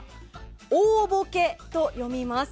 「おおぼけ」と読みます。